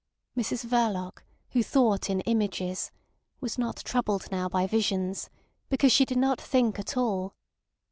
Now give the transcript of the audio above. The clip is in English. Mrs Verloc, who thought in images, was not troubled now by visions, because she did not think at all.